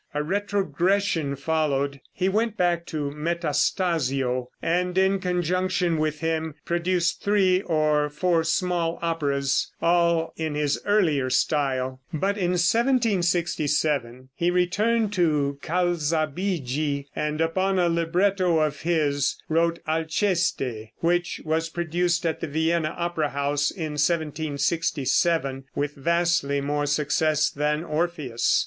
A retrogression followed. He went back to Metastasio, and in conjunction with him produced three or four small operas, all in his earlier style. But in 1767 he returned to Calzabigi, and upon a libretto of his wrote "Alceste" which was produced at the Vienna opera house in 1767 with vastly more success than "Orpheus."